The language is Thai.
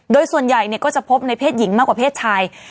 โดยส่วนใหญ่ก็จะพบในเพศหญิงมากกว่าเพศชาย